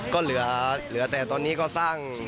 ก็เหลือแต่ตอนนี้ก็สร้าง